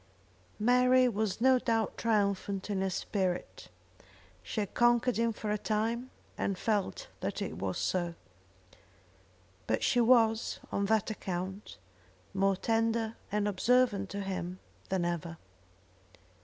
Mary was no doubt triumphant in her spirit. She had conquered him for a time, and felt that it was so. But she was, on that account, more tender and observant to him than ever.